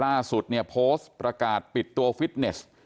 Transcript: ล่าสุดเนี่ยโพสต์ประกาศปิดตัวฟิตเนส